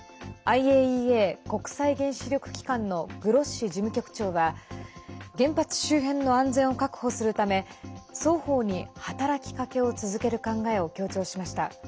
ＩＡＥＡ＝国際原子力機関のグロッシ事務局長は原発周辺の安全を確保するため双方に働きかけを続ける考えを強調しました。